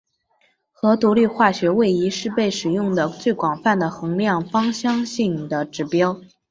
核独立化学位移是被使用得最广泛的衡量芳香性的指标。